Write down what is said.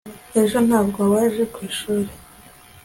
ejo ntabwo waje mwishuri